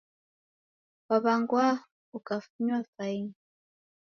W'aw'angwa ukafunywa faini